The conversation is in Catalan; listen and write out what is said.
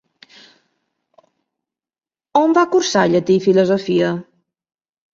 On va cursar llatí i filosofia?